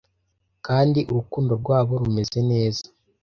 kandi urukundo rwabo rumeze neza